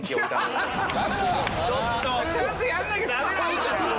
ちゃんとやらなきゃダメなんだよ！